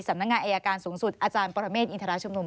สำนักงานอายการสูงสุดอาจารย์ปรเมฆอินทราชุมนุม